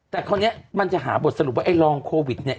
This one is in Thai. แต่คราวนี้มันจะหาบทสรุปว่าไอ้รองโควิดเนี่ย